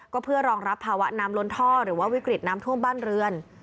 ก็เพื่อรองรับภาวะน้ำล้นท่อหรือว่าวิกฤตน้ำท่วมบ้านเรือน